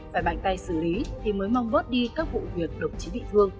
phải bạch tay xử lý thì mới mong bớt đi các vụ việc độc trí bị thương